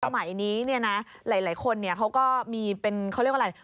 สมัยนี้เนี่ยนะหลายคนเขาก็มีเป็นเขาเรียกว่าอะไร